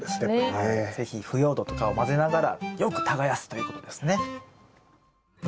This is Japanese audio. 是非腐葉土とかを混ぜながらよく耕すということですね。